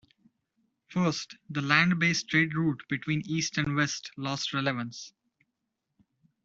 First, the land based trade route between east and west lost relevance.